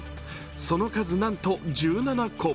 その数、なんと１７個。